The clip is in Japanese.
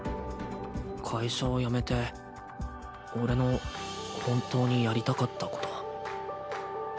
会社を辞めて俺の本当にやりたかったこと。